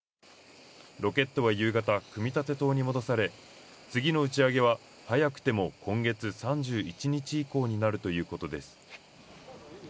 ロケットは夕方、組み立て棟に戻され、次の打ち上げは早くても今月３１日以降になるということです。